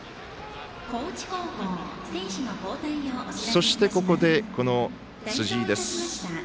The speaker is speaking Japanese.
そしてここで、辻井です。